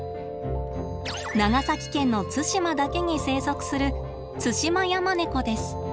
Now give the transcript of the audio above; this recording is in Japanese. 長崎県の対馬だけに生息するツシマヤマネコです。